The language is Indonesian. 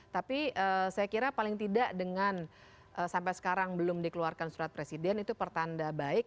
tapi saya kira paling tidak dengan sampai sekarang belum dikeluarkan surat presiden itu pertanda baik